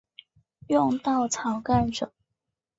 用稻草盖著